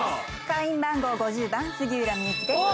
会員番号５０番杉浦美雪です。